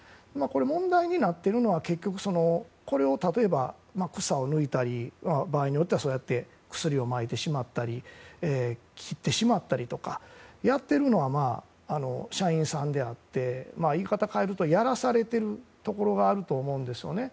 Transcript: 問題になってるのは結局例えば草を抜いたり場合によっては薬をまいてしまったり切ってしまったりとかやっているのは社員さんであって言い方を変えるとやらされているところがあると思うんですよね。